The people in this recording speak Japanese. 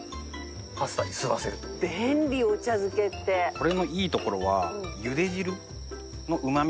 これのいいところは。